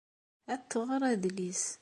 Ad tɣer adlis.